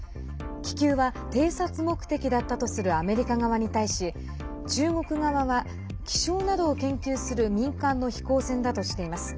気球は偵察目的だったとするアメリカ側に対し中国側は気象などを研究する民間の飛行船だとしています。